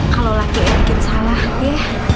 kalau laki laki yang salah ya